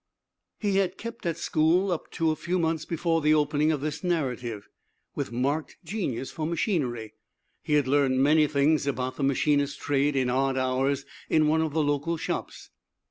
He had kept at school up to a few months before the opening of this narrative. With marked genius for machinery, he had learned many things about the machinist's trade in odd hours in one of the local shops.